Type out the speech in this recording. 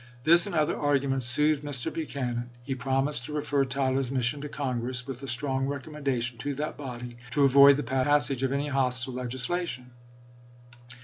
This and other arguments soothed Mr. Buchanan ; he prom ised to refer Tyler's mission to Congress, with a strong recommendation to that body to " avoid the passage of any hostile legislation."